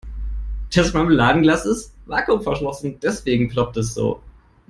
Das Marmeladenglas ist vakuumverschlossen, deswegen ploppt es so.